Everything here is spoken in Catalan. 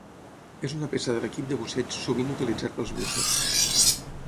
És una peça de l'equip de busseig sovint utilitzat pels bussos.